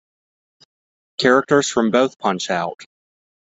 Characters from both Punch-Out!!